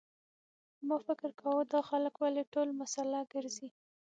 ما فکر کاوه دا خلک ولې ټول مسلح ګرځي.